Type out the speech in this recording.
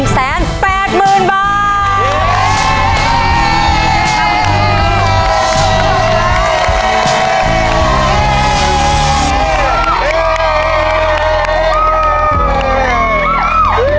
๑แสน๘หมื่นบาท